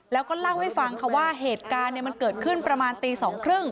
แล้วก็เล่าให้ฟังค่ะว่าเหตุการณ์มันเกิดขึ้นประมาณตี๒๓๐